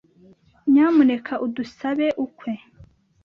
Nyamuneka udusabe ukwe.